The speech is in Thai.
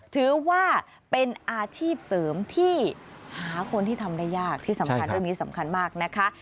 ถือว่าเป็นอาชีพเสริมที่หาคนที่ทำได้ยากที่สำคัญเรื่องนี้สำคัญมากนะคะ